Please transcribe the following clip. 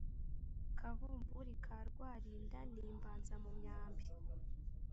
Kavumvuli ka Rwarinda ni Imbanza-mu-myambi